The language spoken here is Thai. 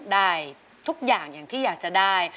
ได้ทุกอย่างที่อยากจะได้